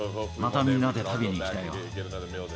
またみんなで食べに行きたいよ。